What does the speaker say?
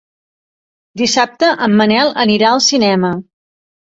Dissabte en Manel anirà al cinema.